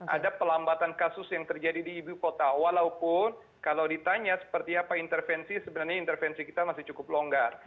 ada pelambatan kasus yang terjadi di ibu kota walaupun kalau ditanya seperti apa intervensi sebenarnya intervensi kita masih cukup longgar